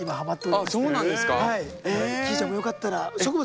きーちゃんもよかったら植物